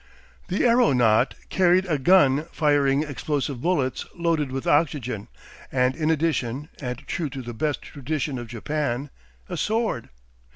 The aeronaut carried a gun firing explosive bullets loaded with oxygen, and in addition, and true to the best tradition of Japan, a sword.